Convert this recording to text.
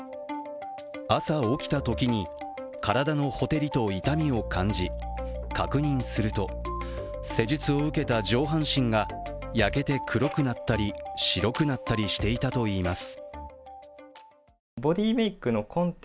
朝起きたときに体のほてりと痛みを感じ、確認すると、施術を受けた上半身が焼けて黒くなったり白くなったりしていたといいます。